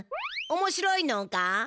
おもしろいのか？